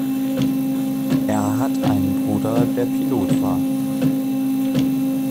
Er hat einen Bruder, der Pilot war.